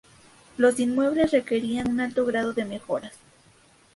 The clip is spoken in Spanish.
Los inmuebles requerirán de un alto grado de mejoras.